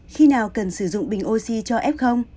khi nào cần sử dụng bình oxy cho ép không